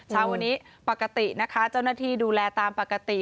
เช้าวันนี้ปกตินะคะเจ้าหน้าที่ดูแลตามปกติ